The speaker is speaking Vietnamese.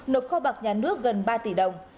nộp kho bạc nhà nước gần ba tỷ đồng